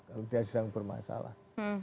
kalau dia sedang bermasalah